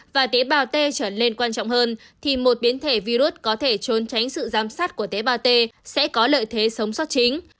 và tế bào t trở nên quan trọng hơn thì một biến thể virus có thể trốn tránh sự giám sát của tế bào t sẽ có lợi thế sống sót chính